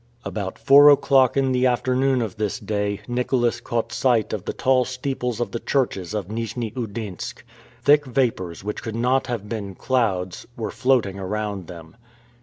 About four o'clock in the afternoon of this day, Nicholas caught sight of the tall steeples of the churches of Nijni Oudinsk. Thick vapors, which could not have been clouds, were floating around them.